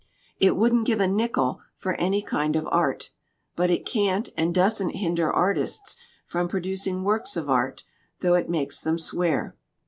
"It 'wouldn't give a nickel' for any kind of art. But it can't and doesn't hinder artists from pro ducing works of art, though it makes them swear."